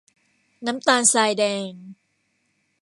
น้ำตาลทรายแดง